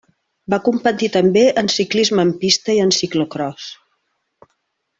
Va competir també en ciclisme en pista i en ciclocròs.